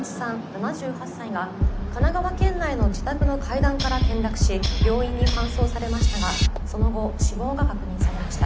７８歳が神奈川県内の自宅の階段から転落し病院に搬送されましたがその後死亡が確認されました。